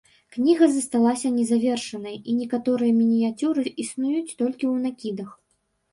Кніга засталася незавершанай, і некаторыя мініяцюры існуюць толькі ў накідах.